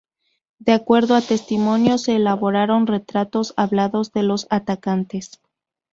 De acuerdo a testimonios se elaboraron retratos hablados de los atacantes.